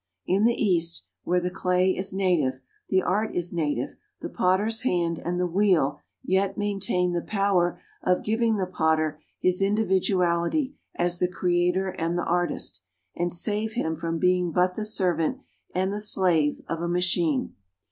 In the East where the clay is native, the art is native; the potter's hand and the wheel yet maintain the power of giving the potter his individuality as the creator and the artist, and save him from being but the servant and the slave of a machine.